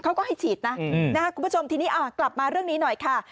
เขาก็ให้ฉีดนะคุณผู้ชมทีนี้กลับมาเรื่องนี้หน่อยค่ะ